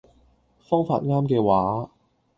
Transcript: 方法啱嘅話